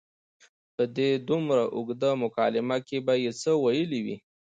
په دې دومره اوږده مکالمه کې به یې څه ویلي وي.